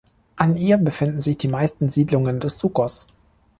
An ihr befinden sich die meisten Siedlungen des Sucos.